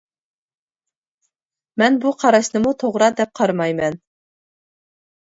مەن بۇ قاراشنىمۇ توغرا دەپ قارىمايمەن.